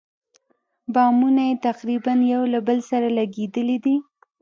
بامونه یې تقریباً یو له بل سره لګېدلي دي.